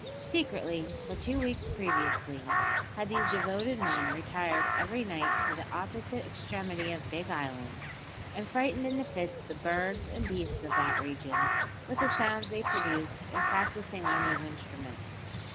Secretly, for two weeks previously, had these devoted men retired every night to the opposite extremity of Big Island, and frightened into fits the birds and beasts of that region with the sounds they produced in practising on those instruments.